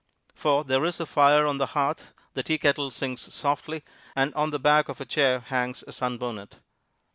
For there is a fire on the hearth, the tea kettle sings softly, and on the back of a chair hangs a sunbonnet.